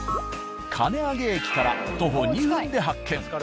金上駅から徒歩２分で発見。